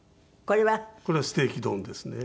これはステーキ丼ですね。